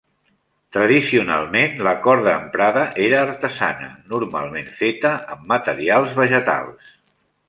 Tradicionalment, la corda emprada era artesana, normalment feta amb materials vegetals.